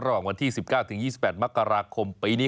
ระหว่างวันที่๑๙๒๘มกราคมปีนี้